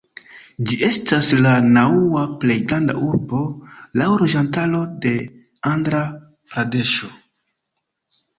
Ĝi estas la naŭa plej granda urbo laŭ loĝantaro de Andra-Pradeŝo.